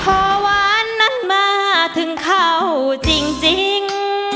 พอหวานนั้นมาถึงเขาจริง